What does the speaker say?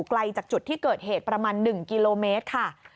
ไกลจากจุดที่เกิดเหตุประมาณ๑กิโลเมตรค่ะ